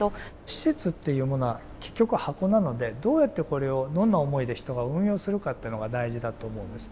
施設っていうものは結局、箱なのでどうやってこれをどんな思いで人が運用するかっていうのが大事だと思うんです。